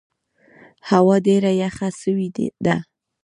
هوا ډېره یخه سوې ده.